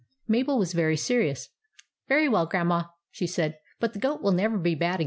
" Mabel was very serious. " Very well, Grandma," she said ;" but the goat will never be bad again."